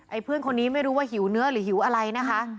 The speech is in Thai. เพื่อนคนนี้ไม่รู้ว่าหิวเนื้อหรือหิวอะไรนะคะ